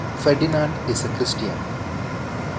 Ferdinand is a Christian.